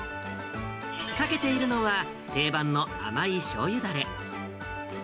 かけているのは、定番の甘いしょうゆだれ。